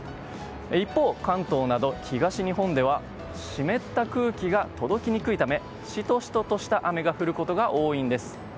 一方、関東など東日本では湿った空気が届きにくいためシトシトとした雨が降ることが多いんです。